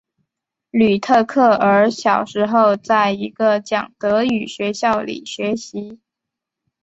吕特克尔小时候在一个讲德语学校里学习。